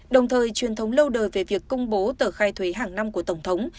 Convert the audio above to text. đồng thời truyền thống lâu đời về việc công bố tờ khai thuế hàng năm của tổng thống